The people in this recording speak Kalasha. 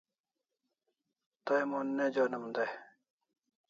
Tay mon ne jonim dai